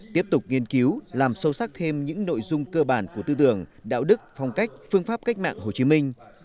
tiếp tục nghiên cứu làm sâu sắc thêm những nội dung cơ bản của tư tưởng đạo đức phong cách phương pháp cách mạng hồ chí minh